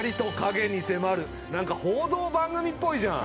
何か報道番組っぽいじゃん。